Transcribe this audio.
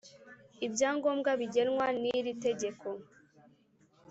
ibyangombwa bigenwa n’iri tegeko